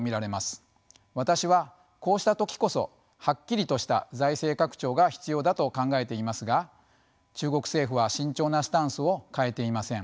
私はこうした時こそはっきりとした財政拡張が必要だと考えていますが中国政府は慎重なスタンスを変えていません。